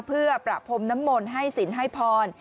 เพื่อประพรมน้ำมนต์ให้ศิลป์ให้พร